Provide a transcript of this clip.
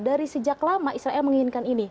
dari sejak lama israel menginginkan ini